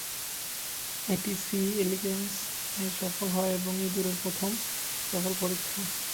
এটি "সি. এলিগ্যান্স"-এ সফল হয় এবং ইঁদুরে প্রথম সফল পরীক্ষা।